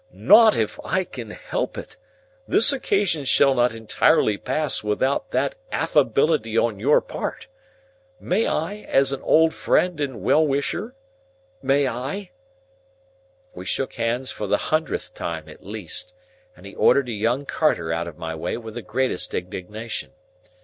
"Not if I can help it. This occasion shall not entirely pass without that affability on your part.—May I, as an old friend and well wisher? May I?" We shook hands for the hundredth time at least, and he ordered a young carter out of my way with the greatest indignation.